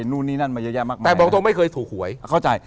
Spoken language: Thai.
หนูนนี้นั่นมาเยอะแยะมากมายครับแต่บอกจริงไม่เคยถูกขวยเข้าใจ